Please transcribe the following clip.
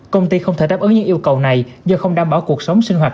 công ty không thể đáp ứng những yêu cầu này do không đảm bảo cuộc sống sinh hoạt